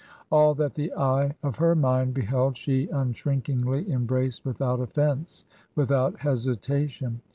All that the eye of her mind beheld she unshrinkingly em braced without offence, without hesitation.